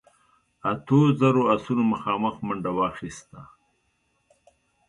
اتو زرو آسونو مخامخ منډه واخيسته.